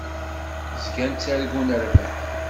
Zgan ttargun rrbeḥ.